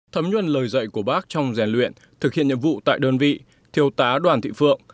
thấm nhuân lời dạy của bác trong rèn luyện thực hiện nhiệm vụ tại đơn vị thiêu tá đoàn thị phượng